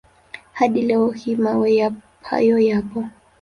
Hadi leo hii mawe hayo yapo.